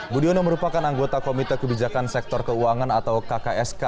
budiono merupakan anggota komite kebijakan sektor keuangan atau kksk